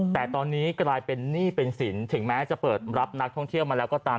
แต่ตอนนี้กลายเป็นหนี้เป็นสินถึงแม้จะเปิดรับนักท่องเที่ยวมาแล้วก็ตาม